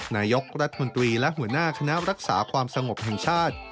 นายกรัฐมนตรีและหัวหน้าคณะรักษาความสงบแห่งชาติ